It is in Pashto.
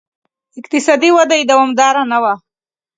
اقتصادي وده یې دوامداره نه وه